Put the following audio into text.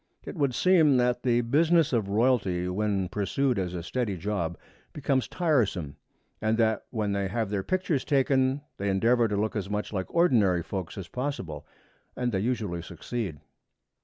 It would seem that the business of royalty when pursued as a steady job becomes tiresome, and that when they have their pictures taken they endeavor to look as much like ordinary folks as possible and they usually succeed.